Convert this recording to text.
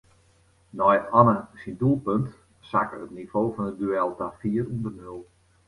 Nei Anne syn doelpunt sakke it nivo fan it duel ta fier ûnder nul.